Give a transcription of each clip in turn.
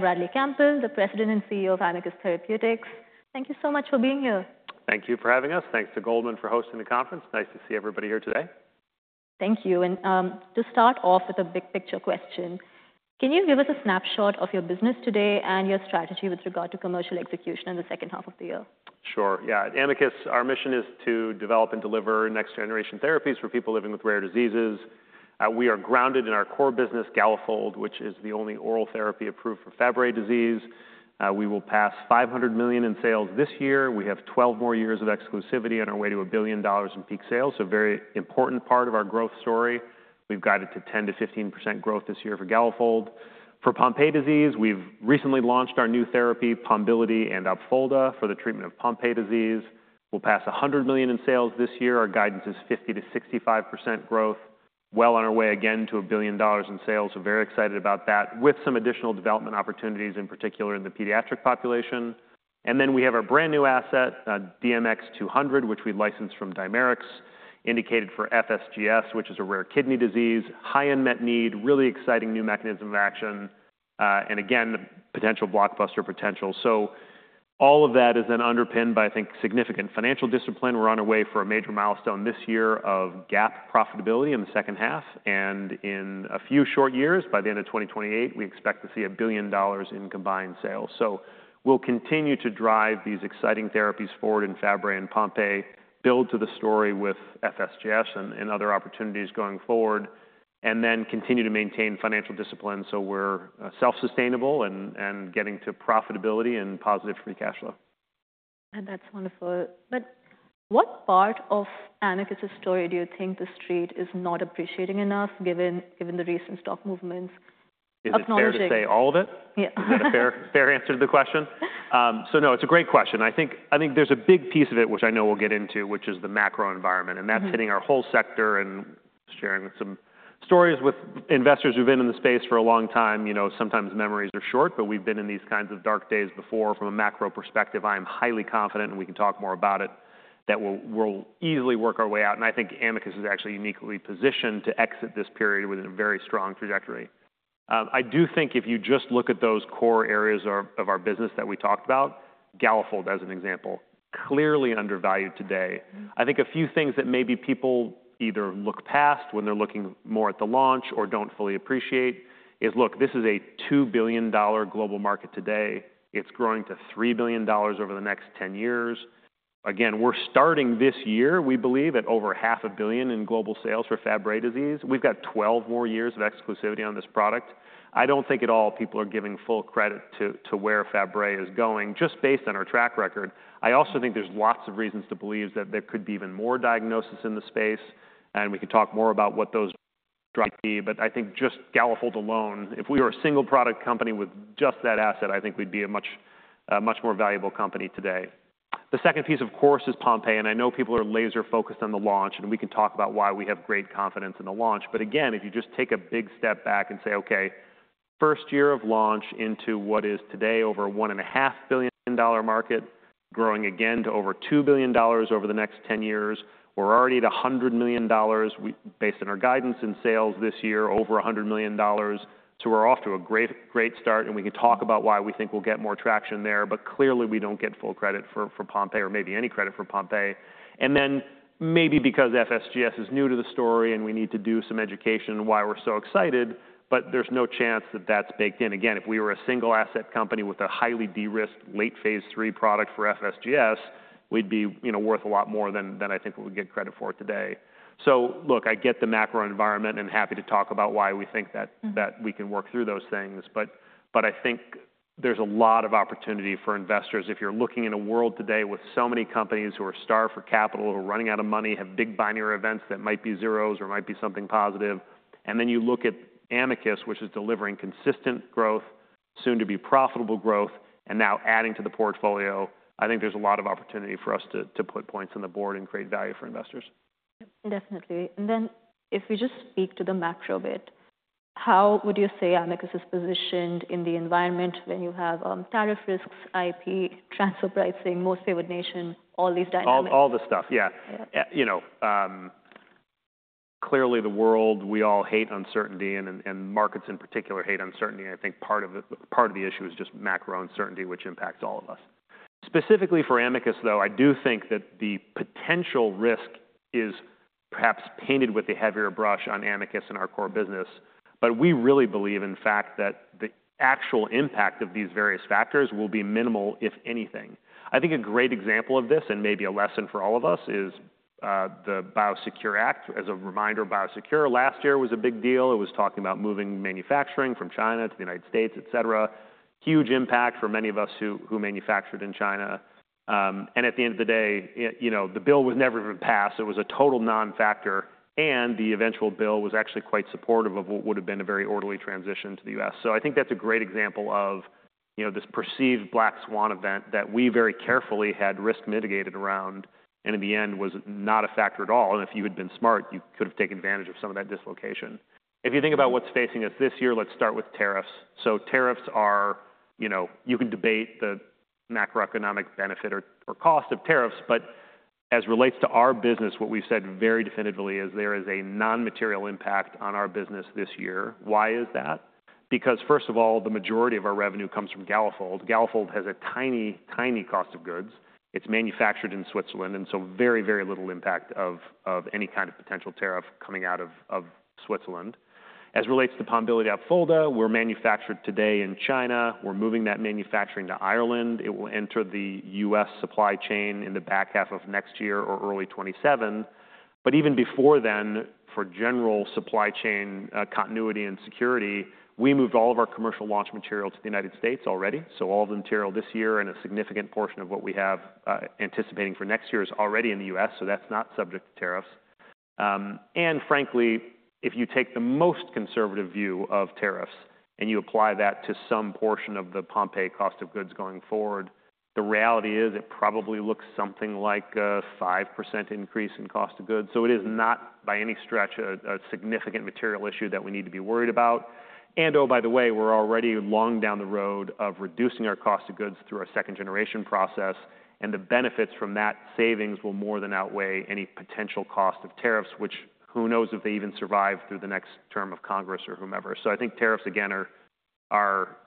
Bradley Campbell, the President and CEO of Amicus Therapeutics. Thank you so much for being here. Thank you for having us. Thanks to Goldman for hosting the conference. Nice to see everybody here today. Thank you. To start off with a big picture question, can you give us a snapshot of your business today and your strategy with regard to commercial execution in the second half of the year? Sure. Yeah. At Amicus, our mission is to develop and deliver next-generation therapies for people living with rare diseases. We are grounded in our core business, Galafold, which is the only oral therapy approved for Fabry disease. We will pass $500 million in sales this year. We have 12 more years of exclusivity on our way to $1 billion in peak sales, so a very important part of our growth story. We've guided to 10%-15% growth this year for Galafold. For Pompe disease, we've recently launched our new therapy, Pombiliti and Opfolda, for the treatment of Pompe disease. We'll pass $100 million in sales this year. Our guidance is 50%-65% growth, well on our way again to $1 billion in sales. We're very excited about that, with some additional development opportunities, in particular in the pediatric population. We have our brand new asset, DMX-200, which we licensed from Dimerix, indicated for FSGS, which is a rare kidney disease, high unmet need, really exciting new mechanism of action, and again, potential blockbuster potential. All of that is then underpinned by, I think, significant financial discipline. We're on our way for a major milestone this year of GAAP profitability in the second half. In a few short years, by the end of 2028, we expect to see $1 billion in combined sales. We'll continue to drive these exciting therapies forward in Fabry and Pompe, build to the story with FSGS and other opportunities going forward, and then continue to maintain financial discipline so we're self-sustainable and getting to profitability and positive free cash flow. What part of Amicus' story do you think the street is not appreciating enough, given the recent stock movements? Is it fair to say all of it? Yeah. Is that a fair answer to the question? No, it's a great question. I think there's a big piece of it, which I know we'll get into, which is the macro environment. That's hitting our whole sector. Sharing some stories with investors who've been in the space for a long time, sometimes memories are short, but we've been in these kinds of dark days before. From a macro perspective, I'm highly confident, and we can talk more about it, that we'll easily work our way out. I think Amicus is actually uniquely positioned to exit this period with a very strong trajectory. I do think if you just look at those core areas of our business that we talked about, Galafold as an example, clearly undervalued today. I think a few things that maybe people either look past when they're looking more at the launch or don't fully appreciate is, look, this is a $2 billion global market today. It's growing to $3 billion over the next 10 years. Again, we're starting this year, we believe, at over $0.5 billion in global sales for Fabry disease. We've got 12 more years of exclusivity on this product. I don't think at all people are giving full credit to where Fabry is going, just based on our track record. I also think there's lots of reasons to believe that there could be even more diagnosis in the space. We can talk more about what those might be. I think just Galafold alone, if we were a single-product company with just that asset, I think we'd be a much more valuable company today. The second piece, of course, is Pompe. I know people are laser-focused on the launch. We can talk about why we have great confidence in the launch. Again, if you just take a big step back and say, "Okay, first year of launch into what is today over a $1.5 billion market, growing again to over $2 billion over the next 10 years. We're already at $100 million, based on our guidance and sales this year, over $100 million." We're off to a great start. We can talk about why we think we'll get more traction there. Clearly, we do not get full credit for Pompe or maybe any credit for Pompe. Maybe because FSGS is new to the story and we need to do some education on why we're so excited, but there's no chance that that's baked in. Again, if we were a single-asset company with a highly de-risked, late-phase three product for FSGS, we'd be worth a lot more than I think we would get credit for today. Look, I get the macro environment and happy to talk about why we think that we can work through those things. I think there's a lot of opportunity for investors. If you're looking in a world today with so many companies who are starved for capital, who are running out of money, have big binary events that might be zeros or might be something positive, and then you look at Amicus, which is delivering consistent growth, soon-to-be profitable growth, and now adding to the portfolio, I think there's a lot of opportunity for us to put points on the board and create value for investors. Definitely. If we just speak to the macro bit, how would you say Amicus is positioned in the environment when you have tariff risks, IP, transfer pricing, most favored nation, all these dynamics? All the stuff, yeah. Clearly, the world, we all hate uncertainty. And markets in particular hate uncertainty. I think part of the issue is just macro uncertainty, which impacts all of us. Specifically for Amicus, though, I do think that the potential risk is perhaps painted with a heavier brush on Amicus and our core business. But we really believe, in fact, that the actual impact of these various factors will be minimal, if anything. I think a great example of this and maybe a lesson for all of us is the Biosecure Act. As a reminder, Biosecure last year was a big deal. It was talking about moving manufacturing from China to the United States, et cetera. Huge impact for many of us who manufactured in China. And at the end of the day, the bill was never even passed. It was a total non-factor. The eventual bill was actually quite supportive of what would have been a very orderly transition to the U.S. I think that's a great example of this perceived black swan event that we very carefully had risk mitigated around and in the end was not a factor at all. If you had been smart, you could have taken advantage of some of that dislocation. If you think about what's facing us this year, let's start with tariffs. Tariffs are, you can debate the macroeconomic benefit or cost of tariffs. As it relates to our business, what we've said very definitively is there is a non-material impact on our business this year. Why is that? Because first of all, the majority of our revenue comes from Galafold. Galafold has a tiny, tiny cost of goods. It's manufactured in Switzerland. Very, very little impact of any kind of potential tariff coming out of Switzerland. As it relates to Pombiliti, Opfolda, we're manufactured today in China. We're moving that manufacturing to Ireland. It will enter the U.S. supply chain in the back half of next year or early 2027. Even before then, for general supply chain continuity and security, we moved all of our commercial launch material to the United States already. All of the material this year and a significant portion of what we have anticipating for next year is already in the U.S. That's not subject to tariffs. Frankly, if you take the most conservative view of tariffs and you apply that to some portion of the Pompe cost of goods going forward, the reality is it probably looks something like a 5% increase in cost of goods. It is not by any stretch a significant material issue that we need to be worried about. Oh, by the way, we're already long down the road of reducing our cost of goods through our second-generation process. The benefits from that savings will more than outweigh any potential cost of tariffs, which, who knows if they even survive through the next term of Congress or whomever. I think tariffs, again, are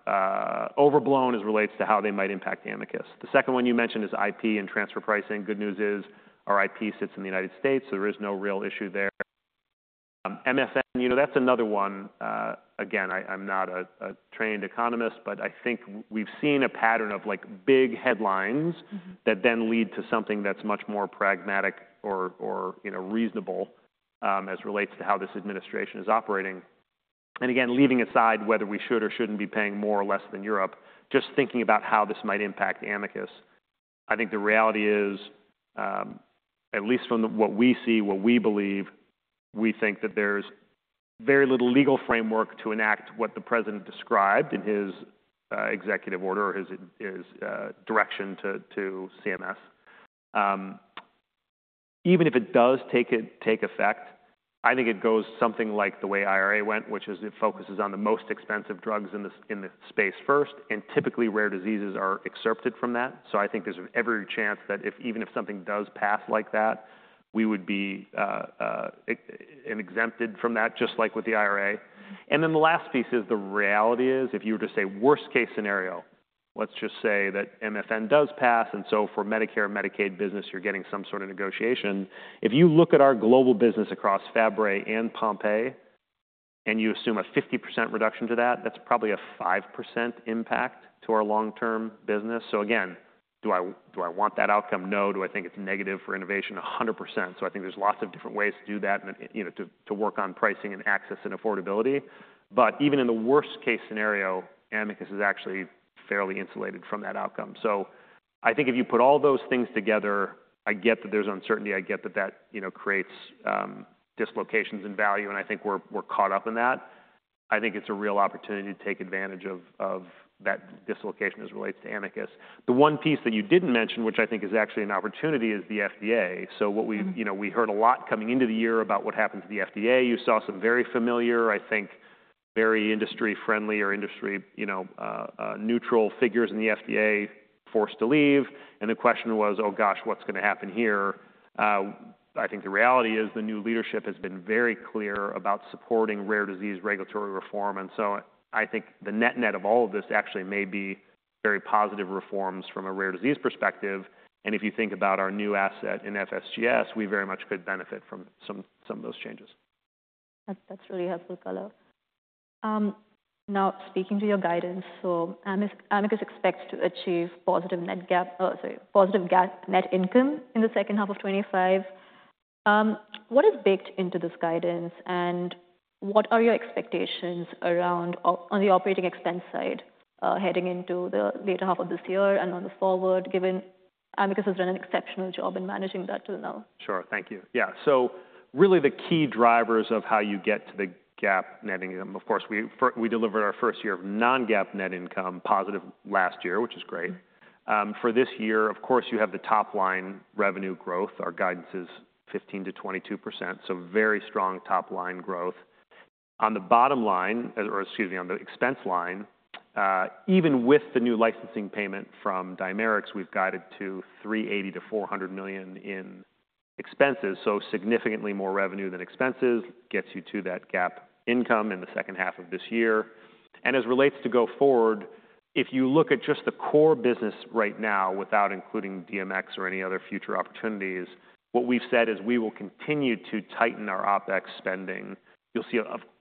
overblown as it relates to how they might impact Amicus. The second one you mentioned is IP and transfer pricing. Good news is our IP sits in the United States. There is no real issue there. MFN, that's another one. Again, I'm not a trained economist. I think we've seen a pattern of big headlines that then lead to something that's much more pragmatic or reasonable as it relates to how this administration is operating. Again, leaving aside whether we should or shouldn't be paying more or less than Europe, just thinking about how this might impact Amicus, I think the reality is, at least from what we see, what we believe, we think that there's very little legal framework to enact what the president described in his executive order or his direction to CMS. Even if it does take effect, I think it goes something like the way IRA went, which is it focuses on the most expensive drugs in the space first. Typically, rare diseases are excerpted from that. I think there's every chance that even if something does pass like that, we would be exempted from that, just like with the IRA. The last piece is the reality is if you were to say worst-case scenario, let's just say that MFN does pass. For Medicare and Medicaid business, you're getting some sort of negotiation. If you look at our global business across Fabry and Pompe and you assume a 50% reduction to that, that's probably a 5% impact to our long-term business. Do I want that outcome? No. Do I think it's negative for innovation? 100%. I think there are lots of different ways to do that and to work on pricing and access and affordability. Even in the worst-case scenario, Amicus is actually fairly insulated from that outcome. I think if you put all those things together, I get that there's uncertainty. I get that that creates dislocations in value. I think we're caught up in that. I think it's a real opportunity to take advantage of that dislocation as it relates to Amicus. The one piece that you didn't mention, which I think is actually an opportunity, is the FDA. We heard a lot coming into the year about what happened to the FDA. You saw some very familiar, I think, very industry-friendly or industry-neutral figures in the FDA forced to leave. The question was, "Oh gosh, what's going to happen here?" I think the reality is the new leadership has been very clear about supporting rare disease regulatory reform. I think the net-net of all of this actually may be very positive reforms from a rare disease perspective. If you think about our new asset in FSGS, we very much could benefit from some of those changes. That's really helpful, color. Now, speaking to your guidance, Amicus expects to achieve positive net income in the second half of 2025. What is baked into this guidance? What are your expectations around the operating expense side heading into the later half of this year and on the forward, given Amicus has done an exceptional job in managing that till now? Sure. Thank you. Yeah. So really the key drivers of how you get to the GAAP net income, of course, we delivered our first year of non-GAAP net income positive last year, which is great. For this year, of course, you have the top-line revenue growth. Our guidance is 15%-22%. So very strong top-line growth. On the bottom line, or excuse me, on the expense line, even with the new licensing payment from Dimerix, we've guided to $380 million-$400 million in expenses. So significantly more revenue than expenses gets you to that GAAP income in the second half of this year. As it relates to go forward, if you look at just the core business right now without including DMX or any other future opportunities, what we've said is we will continue to tighten our OPEX spending. You'll see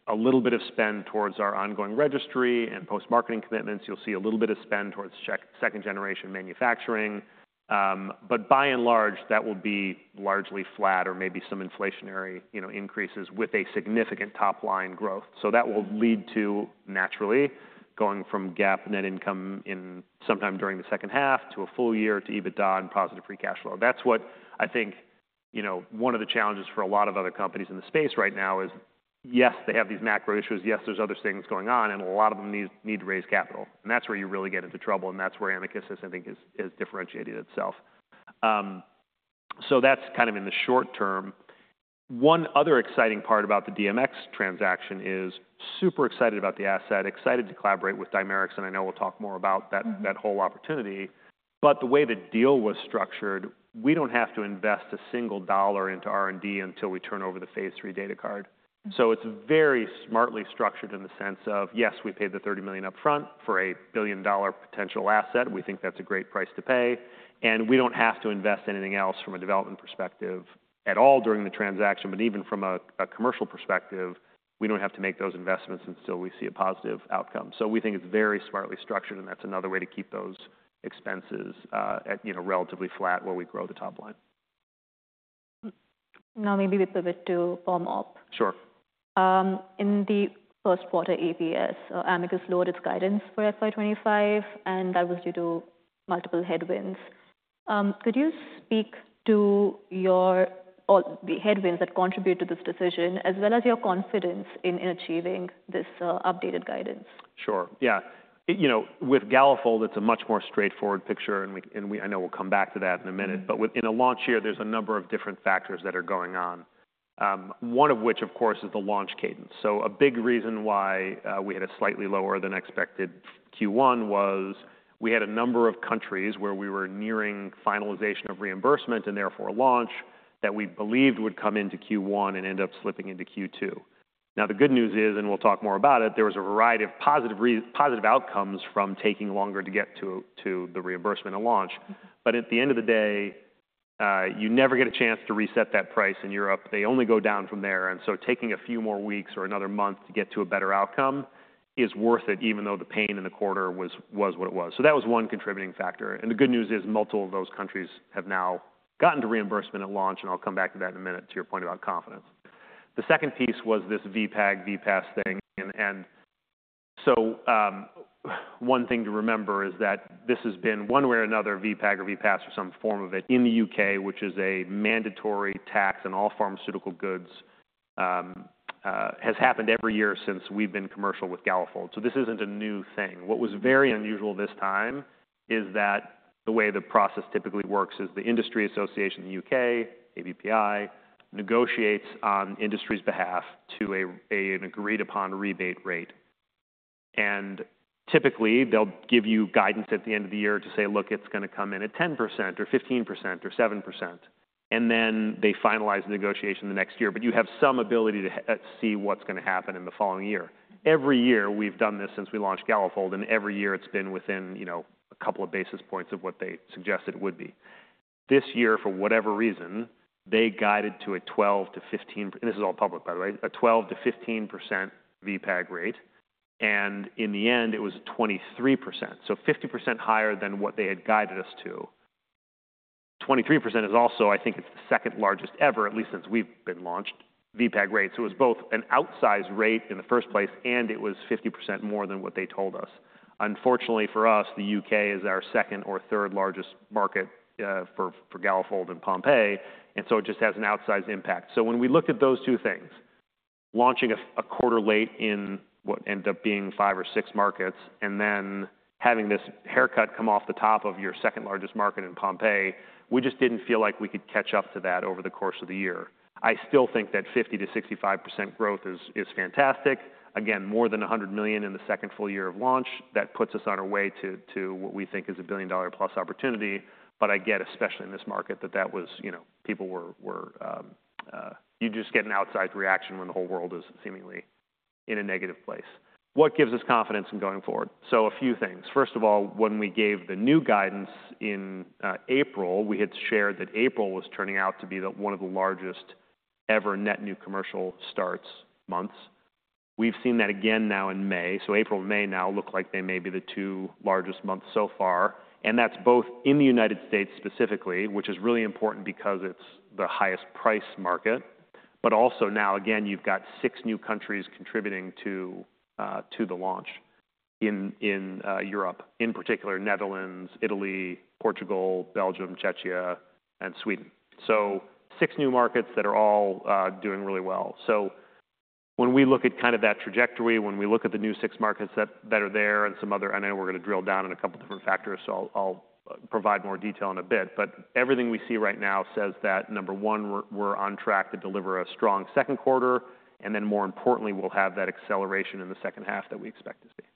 a little bit of spend towards our ongoing registry and post-marketing commitments. You'll see a little bit of spend towards second-generation manufacturing. By and large, that will be largely flat or maybe some inflationary increases with a significant top-line growth. That will lead to naturally going from GAAP net income in sometime during the second half to a full year to EBITDA and positive free cash flow. I think one of the challenges for a lot of other companies in the space right now is, yes, they have these macro issues. Yes, there's other things going on. A lot of them need to raise capital. That's where you really get into trouble. That's where Amicus has, I think, has differentiated itself. That's kind of in the short term. One other exciting part about the DMX transaction is super excited about the asset, excited to collaborate with Dimerix. I know we'll talk more about that whole opportunity. The way the deal was structured, we do not have to invest a single dollar into R&D until we turn over the phase III data card. It is very smartly structured in the sense of, yes, we paid the $30 million upfront for a billion-dollar potential asset. We think that is a great price to pay. We do not have to invest anything else from a development perspective at all during the transaction. Even from a commercial perspective, we do not have to make those investments. Still, we see a positive outcome. We think it is very smartly structured. That is another way to keep those expenses relatively flat where we grow the top line. Now, maybe we pivot to Pom-Op. Sure. In the first quarter, Amicus lowered its guidance for FY25. That was due to multiple headwinds. Could you speak to the headwinds that contribute to this decision as well as your confidence in achieving this updated guidance? Sure. Yeah. With Galafold, it's a much more straightforward picture. I know we'll come back to that in a minute. In a launch year, there's a number of different factors that are going on, one of which, of course, is the launch cadence. A big reason why we had a slightly lower than expected Q1 was we had a number of countries where we were nearing finalization of reimbursement and therefore launch that we believed would come into Q1 and end up slipping into Q2. The good news is, and we'll talk more about it, there was a variety of positive outcomes from taking longer to get to the reimbursement and launch. At the end of the day, you never get a chance to reset that price in Europe. They only go down from there. Taking a few more weeks or another month to get to a better outcome is worth it, even though the pain in the quarter was what it was. That was one contributing factor. The good news is multiple of those countries have now gotten to reimbursement at launch. I'll come back to that in a minute to your point about confidence. The second piece was this VPAS thing. One thing to remember is that this has been one way or another, VPAS or some form of it in the U.K., which is a mandatory tax on all pharmaceutical goods, has happened every year since we've been commercial with Galafold. This isn't a new thing. What was very unusual this time is that the way the process typically works is the Industry Association in the U.K., ABPI, negotiates on industry's behalf to an agreed-upon rebate rate. Typically, they'll give you guidance at the end of the year to say, "Look, it's going to come in at 10% or 15% or 7%." They finalize the negotiation the next year. You have some ability to see what's going to happen in the following year. Every year, we've done this since we launched Galafold. Every year, it's been within a couple of basis points of what they suggested it would be. This year, for whatever reason, they guided to a 12%-15%. This is all public, by the way, a 12%-15% VPAS rate. In the end, it was 23%, so 50% higher than what they had guided us to. 23% is also, I think, the second largest ever, at least since we have been launched, VPAS rate. It was both an outsized rate in the first place, and it was 50% more than what they told us. Unfortunately for us, the U.K. is our second or third largest market for Galafold and Pompe. It just has an outsized impact. When we looked at those two things, launching a quarter late in what ended up being five or six markets and then having this haircut come off the top of your second largest market in Pompe, we just did not feel like we could catch up to that over the course of the year. I still think that 50%-65% growth is fantastic. Again, more than $100 million in the second full year of launch. That puts us on our way to what we think is a billion-dollar-plus opportunity. I get, especially in this market, that that was people were you just get an outsized reaction when the whole world is seemingly in a negative place. What gives us confidence in going forward? A few things. First of all, when we gave the new guidance in April, we had shared that April was turning out to be one of the largest ever net new commercial starts months. We've seen that again now in May. April and May now look like they may be the two largest months so far. That's both in the United States specifically, which is really important because it's the highest-priced market. Also now, again, you've got six new countries contributing to the launch in Europe, in particular, Netherlands, Italy, Portugal, Belgium, Czechia, and Sweden. Six new markets that are all doing really well. When we look at kind of that trajectory, when we look at the new six markets that are there and some other, and I know we're going to drill down on a couple of different factors. I'll provide more detail in a bit. Everything we see right now says that, number one, we're on track to deliver a strong second quarter. More importantly, we'll have that acceleration in the second half that we expect to see.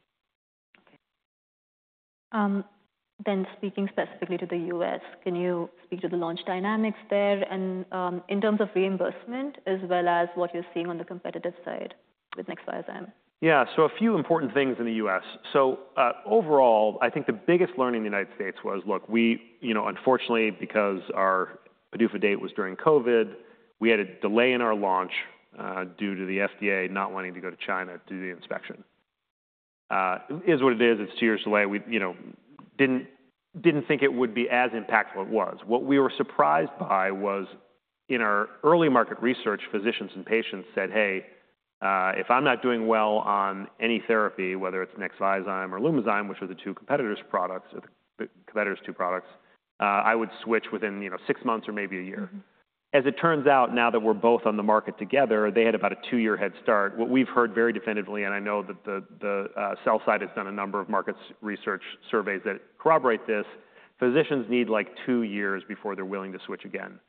Then, speaking specifically to the U.S., can you speak to the launch dynamics there in terms of reimbursement as well as what you're seeing on the competitive side with Nexviazyme? Yeah. A few important things in the U.S. Overall, I think the biggest learning in the United States was, look, unfortunately, because our PDUFA date was during COVID, we had a delay in our launch due to the FDA not wanting to go to China to do the inspection. It is what it is. It is a two-year delay. We did not think it would be as impactful as it was. What we were surprised by was in our early market research, physicians and patients said, "Hey, if I am not doing well on any therapy, whether it is Nexviazyme or Lumizyme, which are the two competitors' products, I would switch within six months or maybe a year." As it turns out, now that we are both on the market together, they had about a two-year head start. What we've heard very definitively, and I know that the sell side has done a number of market research surveys that corroborate this, physicians need like two years before they're willing to switch again.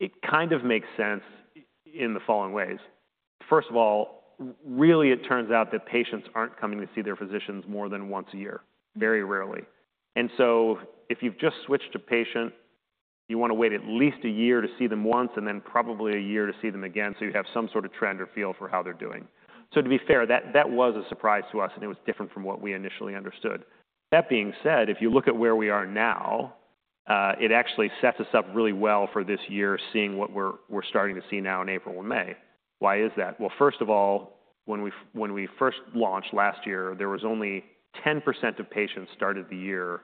It kind of makes sense in the following ways. First of all, really, it turns out that patients aren't coming to see their physicians more than once a year, very rarely. If you've just switched a patient, you want to wait at least a year to see them once and then probably a year to see them again. You have some sort of trend or feel for how they're doing. To be fair, that was a surprise to us. It was different from what we initially understood. That being said, if you look at where we are now, it actually sets us up really well for this year, seeing what we're starting to see now in April and May. Why is that? First of all, when we first launched last year, there was only 10% of patients started the year.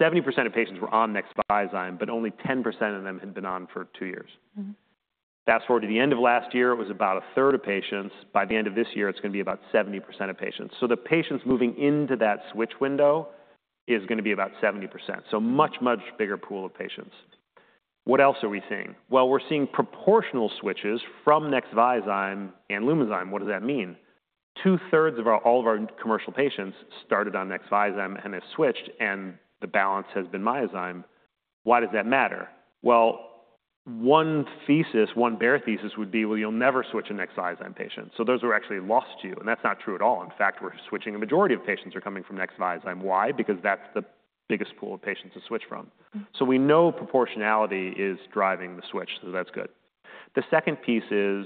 70% of patients were on Nexviazyme, but only 10% of them had been on for two years. Fast forward to the end of last year, it was about a third of patients. By the end of this year, it's going to be about 70% of patients. The patients moving into that switch window is going to be about 70%. Much, much bigger pool of patients. What else are we seeing? We're seeing proportional switches from Nexviazyme and Lumizyme. What does that mean? Two-thirds of all of our commercial patients started on Nexviazyme and have switched. The balance has been Myozyme. Why does that matter? One thesis, one bare thesis would be, you'll never switch a Nexviazyme patient. Those are actually lost to you. That's not true at all. In fact, we're switching. A majority of patients are coming from Nexviazyme. Why? Because that's the biggest pool of patients to switch from. We know proportionality is driving the switch. That's good. The second piece is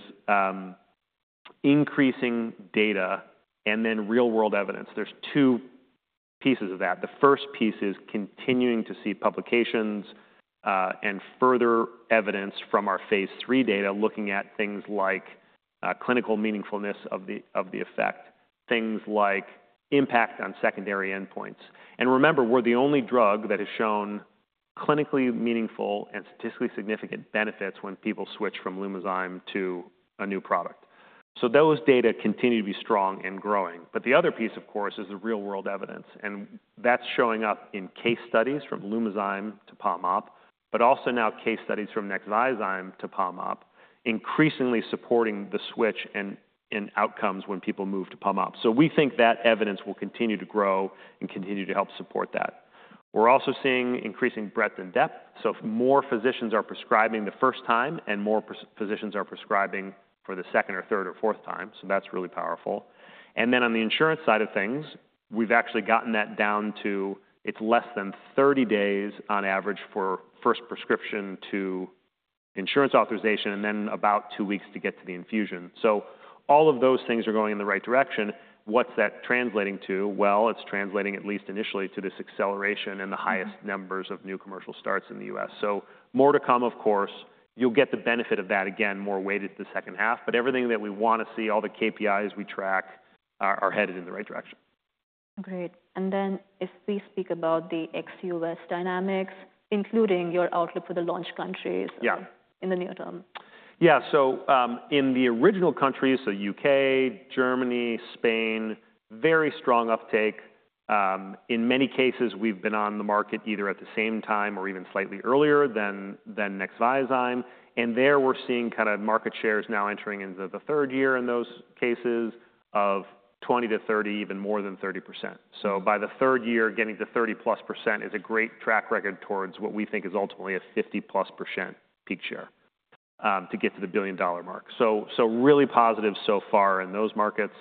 increasing data and then real-world evidence. There's two pieces of that. The first piece is continuing to see publications and further evidence from our phase three data, looking at things like clinical meaningfulness of the effect, things like impact on secondary endpoints. Remember, we're the only drug that has shown clinically meaningful and statistically significant benefits when people switch from Lumizyme to a new product. Those data continue to be strong and growing. The other piece, of course, is the real-world evidence. That's showing up in case studies from Lumizyme to Pom-Op, but also now case studies from Nexviazyme to Pom-Op, increasingly supporting the switch and outcomes when people move to Pom-Op. We think that evidence will continue to grow and continue to help support that. We're also seeing increasing breadth and depth. More physicians are prescribing the first time and more physicians are prescribing for the second or third or fourth time, so that's really powerful. On the insurance side of things, we've actually gotten that down to it's less than 30 days on average for first prescription to insurance authorization, and then about two weeks to get to the infusion. All of those things are going in the right direction. What is that translating to? It is translating at least initially to this acceleration and the highest numbers of new commercial starts in the U.S. More to come, of course. You will get the benefit of that again, more weighted the second half. Everything that we want to see, all the KPIs we track, are headed in the right direction. Great. If we speak about the ex-U.S. dynamics, including your outlook for the launch countries in the near term. Yeah. In the original countries, so U.K., Germany, Spain, very strong uptake. In many cases, we've been on the market either at the same time or even slightly earlier than Nexviazyme. There, we're seeing kind of market shares now entering into the third year in those cases of 20%-30%, even more than 30%. By the third year, getting to 30% plus is a great track record towards what we think is ultimately a 50% plus peak share to get to the $1 billion mark. Really positive so far in those markets.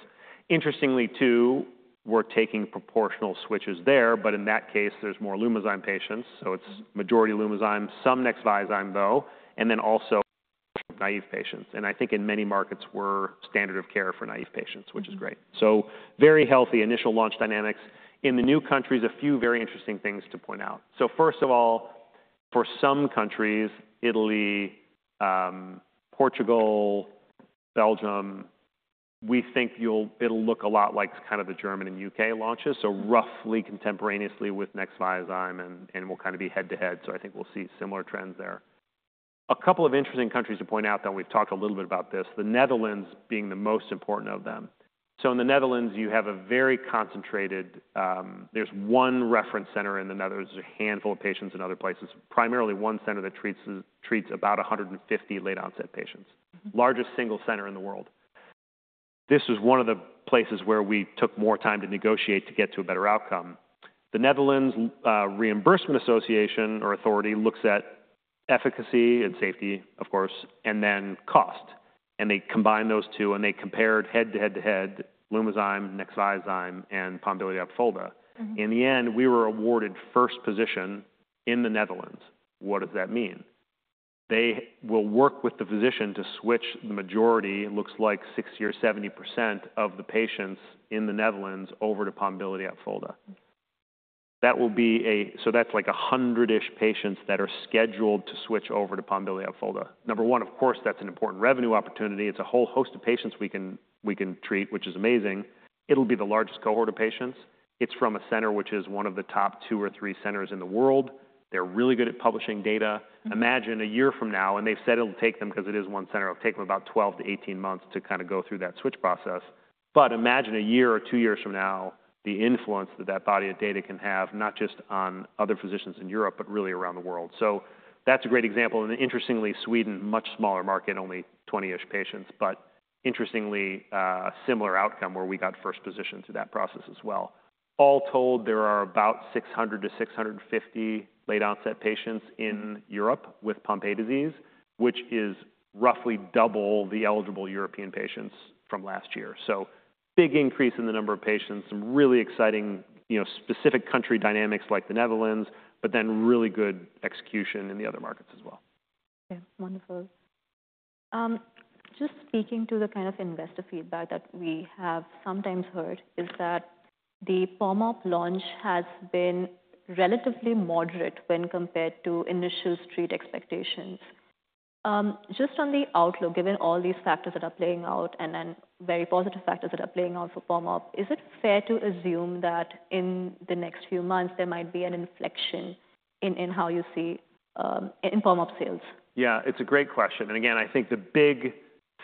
Interestingly, too, we're taking proportional switches there. In that case, there's more Lumizyme patients. It's majority Lumizyme, some Nexviazyme, though, and then also naive patients. I think in many markets, we're standard of care for naive patients, which is great. Very healthy initial launch dynamics. In the new countries, a few very interesting things to point out. First of all, for some countries, Italy, Portugal, Belgium, we think it'll look a lot like kind of the German and U.K. launches, so roughly contemporaneously with Nexviazyme, and we'll kind of be head-to-head. I think we'll see similar trends there. A couple of interesting countries to point out, though, we've talked a little bit about this, the Netherlands being the most important of them. In the Netherlands, you have a very concentrated, there's one reference center in the Netherlands. There's a handful of patients in other places, primarily one center that treats about 150 late-onset patients, largest single center in the world. This was one of the places where we took more time to negotiate to get to a better outcome. The Netherlands Reimbursement Authority looks at efficacy and safety, of course, and then cost. They combine those two. They compared head-to-head Lumizyme, Nexviazyme, and Pombiliti-Opfolda. In the end, we were awarded first position in the Netherlands. What does that mean? They will work with the physician to switch the majority, looks like 60% or 70% of the patients in the Netherlands over to Pombiliti-Opfolda. That will be a, so that is like 100-ish patients that are scheduled to switch over to Pombiliti-Opfolda. Number one, of course, that is an important revenue opportunity. It is a whole host of patients we can treat, which is amazing. It will be the largest cohort of patients. It is from a center which is one of the top two or three centers in the world. They are really good at publishing data. Imagine a year from now, and they've said it'll take them, because it is one center, it'll take them about 12 to 18 months to kind of go through that switch process. Imagine a year or two years from now, the influence that that body of data can have, not just on other physicians in Europe, but really around the world. That's a great example. Interestingly, Sweden, much smaller market, only 20-ish patients, but interestingly, similar outcome where we got first position through that process as well. All told, there are about 600-650 late-onset patients in Europe with Pompe disease, which is roughly double the eligible European patients from last year. Big increase in the number of patients, some really exciting specific country dynamics like the Netherlands, then really good execution in the other markets as well. Yeah. Wonderful. Just speaking to the kind of investor feedback that we have sometimes heard is that the Pom-Op launch has been relatively moderate when compared to initial street expectations. Just on the outlook, given all these factors that are playing out and then very positive factors that are playing out for Pom-Op, is it fair to assume that in the next few months, there might be an inflection in how you see in Pom-Op sales? Yeah. It's a great question. Again, I think the big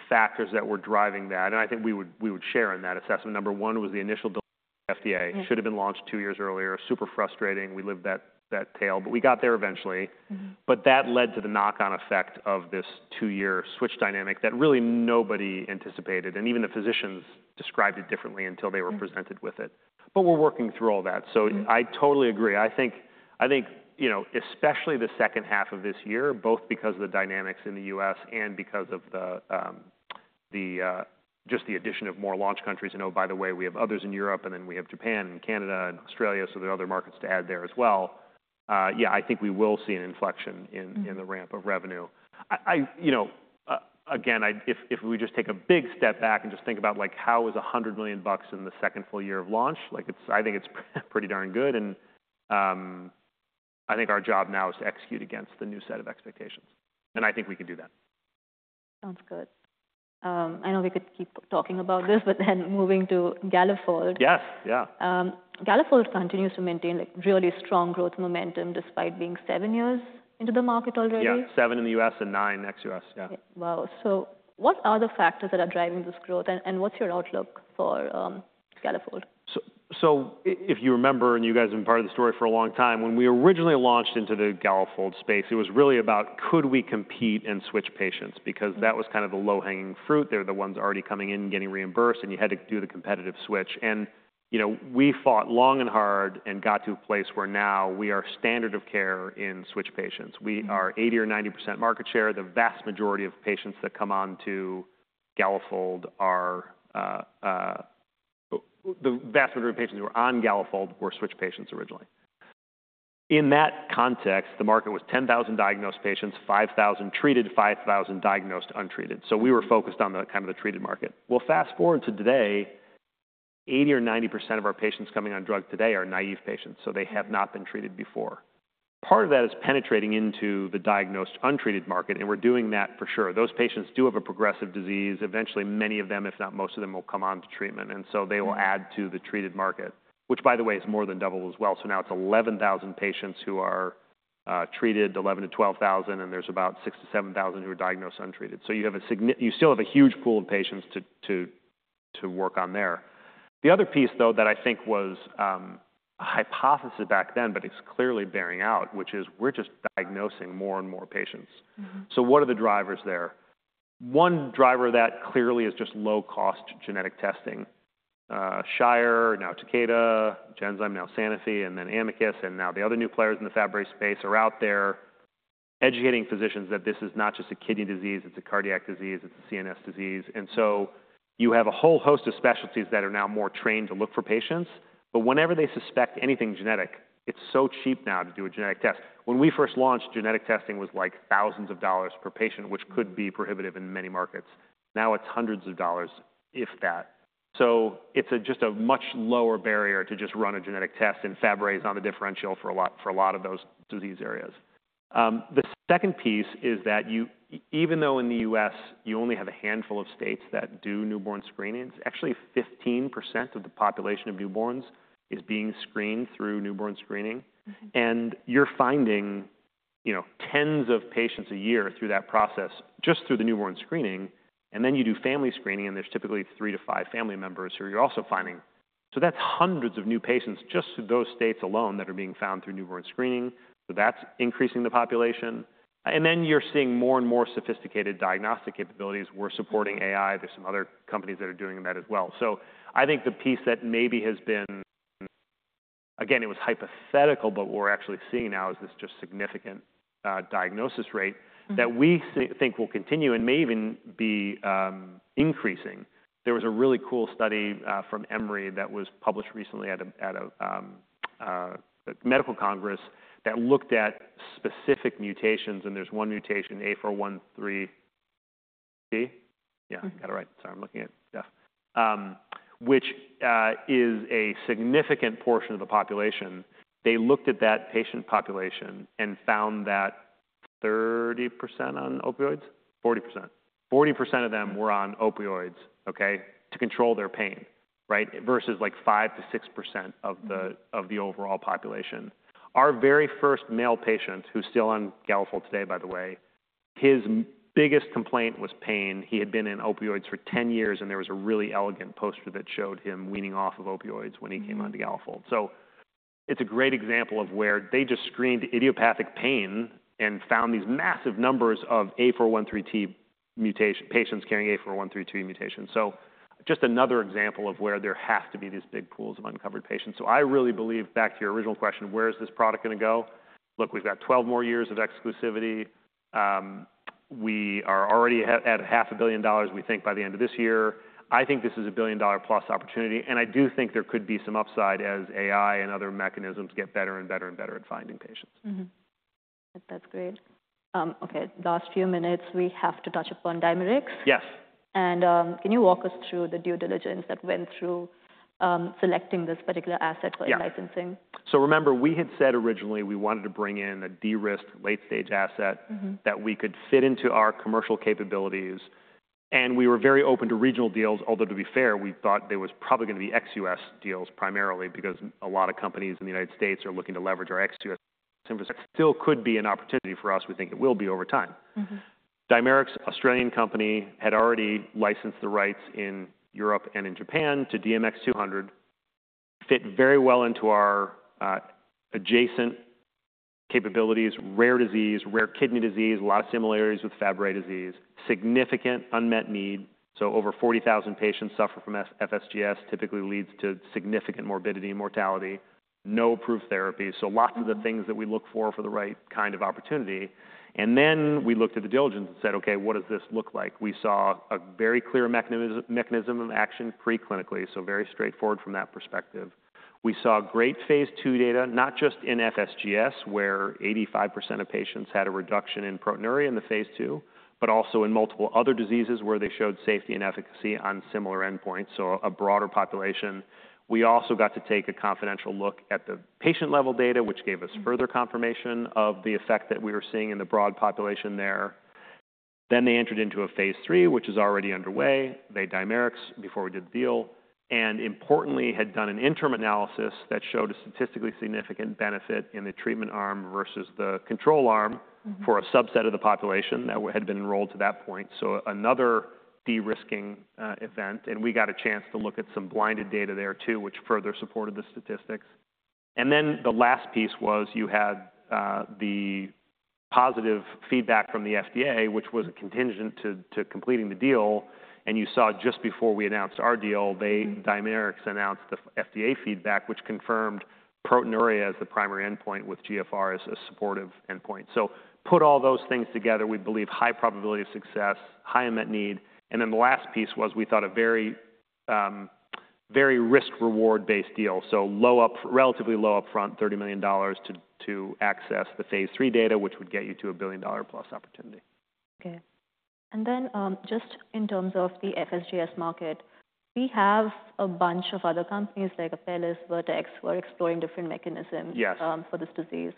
factors that were driving that, and I think we would share in that assessment, number one was the initial delay with the FDA. It should have been launched two years earlier. Super frustrating. We lived that tale. We got there eventually. That led to the knock-on effect of this two-year switch dynamic that really nobody anticipated. Even the physicians described it differently until they were presented with it. We're working through all that. I totally agree. I think especially the second half of this year, both because of the dynamics in the U.S. and because of just the addition of more launch countries. Oh, by the way, we have others in Europe. We have Japan and Canada and Australia. There are other markets to add there as well. Yeah, I think we will see an inflection in the ramp of revenue. Again, if we just take a big step back and just think about how is $100 million in the second full year of launch, I think it's pretty darn good. I think our job now is to execute against the new set of expectations. I think we can do that. Sounds good. I know we could keep talking about this, but then moving to Galafold. Yes. Yeah. Galafold continues to maintain really strong growth momentum despite being seven years into the market already. Yeah. Seven in the U.S. and nine next U.S. Yeah. Wow. What are the factors that are driving this growth? What's your outlook for Galafold? If you remember, and you guys have been part of the story for a long time, when we originally launched into the Galafold space, it was really about could we compete in switch patients because that was kind of the low-hanging fruit. They're the ones already coming in and getting reimbursed. You had to do the competitive switch. We fought long and hard and got to a place where now we are standard of care in switch patients. We are 80% or 90% market share. The vast majority of patients that come on to Galafold are the vast majority of patients who are on Galafold were switch patients originally. In that context, the market was 10,000 diagnosed patients, 5,000 treated, 5,000 diagnosed untreated. We were focused on kind of the treated market. Fast forward to today, 80% or 90% of our patients coming on drug today are naive patients. They have not been treated before. Part of that is penetrating into the diagnosed untreated market. We're doing that for sure. Those patients do have a progressive disease. Eventually, many of them, if not most of them, will come on to treatment. They will add to the treated market, which, by the way, is more than double as well. Now it's 11,000 patients who are treated, 11,000-12,000. There are about 6,000-7,000 who are diagnosed untreated. You still have a huge pool of patients to work on there. The other piece, though, that I think was a hypothesis back then, but it's clearly bearing out, is we're just diagnosing more and more patients. What are the drivers there? One driver of that clearly is just low-cost genetic testing. Shire, now Takeda, Genzyme, now Sanofi, and then Amicus. Now the other new players in the Fabry space are out there educating physicians that this is not just a kidney disease. It is a cardiac disease. It is a CNS disease. You have a whole host of specialties that are now more trained to look for patients. Whenever they suspect anything genetic, it is so cheap now to do a genetic test. When we first launched, genetic testing was like thousands of dollars per patient, which could be prohibitive in many markets. Now it is hundreds of dollars, if that. It is just a much lower barrier to just run a genetic test. Fabry is on the differential for a lot of those disease areas. The second piece is that even though in the U.S., you only have a handful of states that do newborn screenings, actually 15% of the population of newborns is being screened through newborn screening. You're finding tens of patients a year through that process, just through the newborn screening. You do family screening, and there's typically three to five family members who you're also finding. That's hundreds of new patients just through those states alone that are being found through newborn screening. That's increasing the population. You're seeing more and more sophisticated diagnostic capabilities. We're supporting AI. There are some other companies that are doing that as well. I think the piece that maybe has been, again, it was hypothetical, but what we're actually seeing now is this just significant diagnosis rate that we think will continue and may even be increasing. There was a really cool study from Emory that was published recently at a medical congress that looked at specific mutations. There's one mutation, A413T. Yeah. I got it right. Sorry. I'm looking at stuff, which is a significant portion of the population. They looked at that patient population and found that 30% on opioids, 40%. 40% of them were on opioids, okay, to control their pain, right, versus like 5%-6% of the overall population. Our very first male patient who's still on Galafold today, by the way, his biggest complaint was pain. He had been on opioids for 10 years. There was a really elegant poster that showed him weaning off of opioids when he came on to Galafold. It's a great example of where they just screened idiopathic pain and found these massive numbers of A413T patients carrying A413T mutation. Just another example of where there have to be these big pools of uncovered patients. I really believe, back to your original question, where is this product going to go? Look, we've got 12 more years of exclusivity. We are already at $0.5 billion, we think, by the end of this year. I think this is a $1 billion+ opportunity. I do think there could be some upside as AI and other mechanisms get better and better and better at finding patients. That's great. Okay. Last few minutes, we have to touch upon Dimerix. Yes. Can you walk us through the due diligence that went through selecting this particular asset for the licensing? Yeah. Remember, we had said originally we wanted to bring in a de-risked late-stage asset that we could fit into our commercial capabilities. We were very open to regional deals, although to be fair, we thought there was probably going to be ex-U.S. deals primarily because a lot of companies in the United States are looking to leverage our ex-U.S. infrastructure. That still could be an opportunity for us. We think it will be over time. Dimerix, Australian company, had already licensed the rights in Europe and in Japan to DMX-200. Fit very well into our adjacent capabilities, rare disease, rare kidney disease, a lot of similarities with Fabry disease, significant unmet need. Over 40,000 patients suffer from FSGS. Typically leads to significant morbidity and mortality. No approved therapy. Lots of the things that we look for for the right kind of opportunity. We looked at the diligence and said, "Okay. What does this look like?" We saw a very clear mechanism of action preclinically, so very straightforward from that perspective. We saw great phase I data, not just in FSGS, where 85% of patients had a reduction in proteinuria in the phase II, but also in multiple other diseases where they showed safety and efficacy on similar endpoints, so a broader population. We also got to take a confidential look at the patient-level data, which gave us further confirmation of the effect that we were seeing in the broad population there. They entered into a phase III, which is already underway. They were Dimerix before we did the deal. Importantly, had done an interim analysis that showed a statistically significant benefit in the treatment arm versus the control arm for a subset of the population that had been enrolled to that point. Another de-risking event. We got a chance to look at some blinded data there too, which further supported the statistics. The last piece was you had the positive feedback from the FDA, which was a contingent to completing the deal. You saw just before we announced our deal, Dimerix announced the FDA feedback, which confirmed proteinuria as the primary endpoint with GFR as a supportive endpoint. Put all those things together, we believe high probability of success, high met need. The last piece was we thought a very risk-reward-based deal, so relatively low upfront, $30 million to access the phase three data, which would get you to a billion-dollar-plus opportunity. Okay. In terms of the FSGS market, we have a bunch of other companies like Apellis, Vertex, who are exploring different mechanisms for this disease.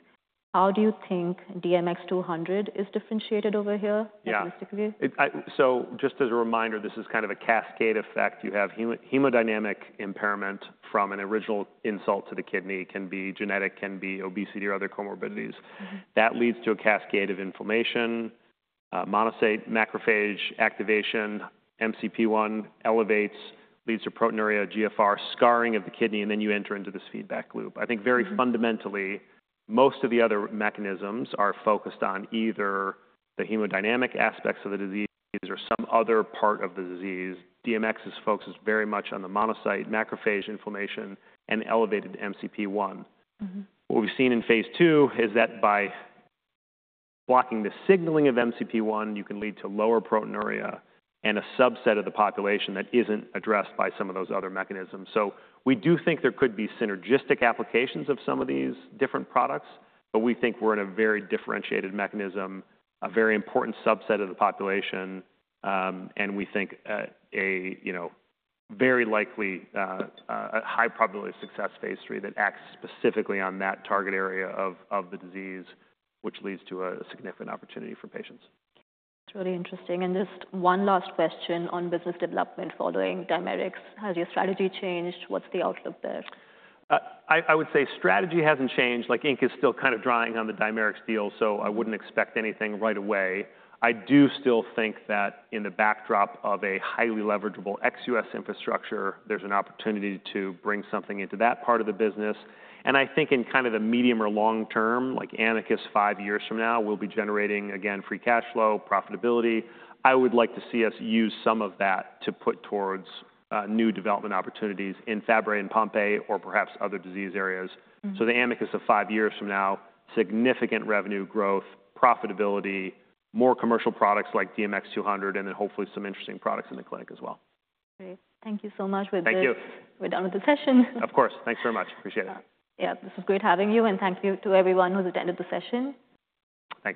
How do you think DMX-200 is differentiated over here statistically? Yeah. So just as a reminder, this is kind of a cascade effect. You have hemodynamic impairment from an original insult to the kidney. It can be genetic, can be obesity or other comorbidities. That leads to a cascade of inflammation, monocyte macrophage activation, MCP-1 elevates, leads to proteinuria, GFR, scarring of the kidney. You enter into this feedback loop. I think very fundamentally, most of the other mechanisms are focused on either the hemodynamic aspects of the disease or some other part of the disease. DMX-200 focuses very much on the monocyte macrophage inflammation and elevated MCP-1. What we've seen in phase two is that by blocking the signaling of MCP-1, you can lead to lower proteinuria and a subset of the population that isn't addressed by some of those other mechanisms. We do think there could be synergistic applications of some of these different products. We think we're in a very differentiated mechanism, a very important subset of the population. We think a very likely, high probability success phase three that acts specifically on that target area of the disease, which leads to a significant opportunity for patients. That's really interesting. Just one last question on business development following Dimerix. Has your strategy changed? What's the outlook there? I would say strategy has not changed. Like, Amicus is still kind of drying on the Dimerix deal. I would not expect anything right away. I do still think that in the backdrop of a highly leverageable ex-U.S. infrastructure, there is an opportunity to bring something into that part of the business. I think in kind of the medium or long term, like Amicus five years from now, we will be generating, again, free cash flow, profitability. I would like to see us use some of that to put towards new development opportunities in Fabry and Pompe or perhaps other disease areas. The Amicus of five years from now, significant revenue growth, profitability, more commercial products like DMX-200, and then hopefully some interesting products in the clinic as well. Great. Thank you so much. Thank you. We're done with the session. Of course. Thanks very much. Appreciate it. Yeah. This was great having you. Thank you to everyone who's attended the session. Thank you.